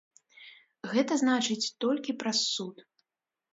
Гэта значыць, толькі праз суд!